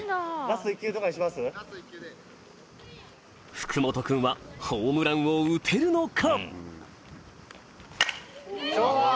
福本くんはホームランを打てるのか？